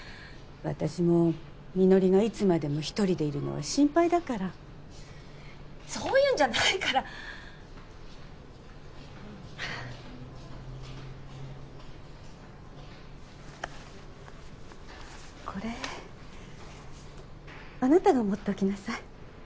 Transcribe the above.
私も実梨がいつまでも１人でいるのは心配だからそういうんじゃないからこれあなたが持っておきなさい